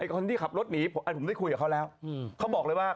คนที่ขับรถหนีผมได้คุยกับเขาแล้ว